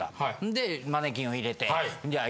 でマネキンを入れてじゃあ